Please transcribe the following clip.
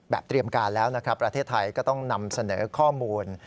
เตรียมการแล้วนะครับประเทศไทยก็ต้องนำเสนอข้อมูล